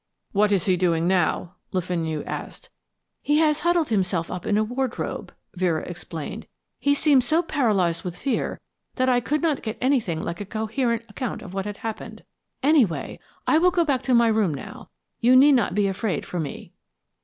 "What is he doing now?" Le Fenu asked. "He has huddled himself up in a wardrobe," Vera explained. "He seems so paralysed with fear that I could not get anything like a coherent account of what had happened. Anyway, I will go back to my room now. You need not be afraid for me."